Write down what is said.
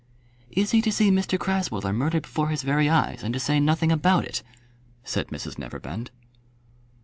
"Is he to see Mr Crasweller murdered before his very eyes, and to say nothing about it?" said Mrs Neverbend.